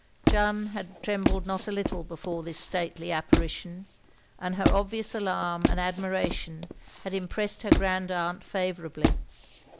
Jeanne had trembled not a little before this stately apparition, and her obvious alarm and ad miration had impressed her grand aunt favourably.